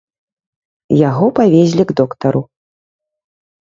Яго павезлі к доктару.